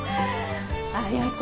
綾子